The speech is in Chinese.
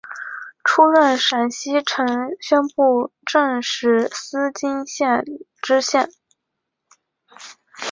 出任陕西承宣布政使司泾阳县知县。